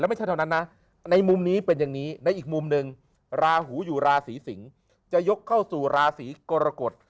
ไม่ใช่เท่านั้นนะในมุมนี้เป็นอย่างนี้ในอีกมุมหนึ่งราหูอยู่ราศีสิงศ์จะยกเข้าสู่ราศีกรกฎ